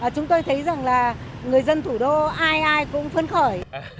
chúng tôi thấy rằng là người dân thủ đô ai ai cũng phấn khởi